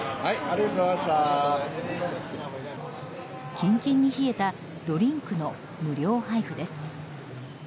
キンキンに冷えたドリンクの無料配布です。